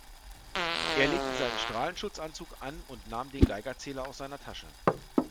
Er legte seinen Strahlenschutzanzug an und nahm den Geigerzähler aus seiner Tasche.